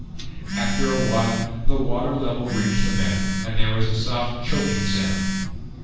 After a while the water level reached the mouth and there was a soft choking sound.